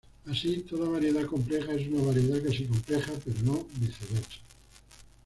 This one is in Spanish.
Así, toda variedad compleja es una variedad casi compleja, pero no viceversa.